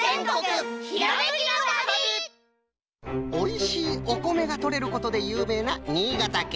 おいしいおこめがとれることでゆうめいな新潟県。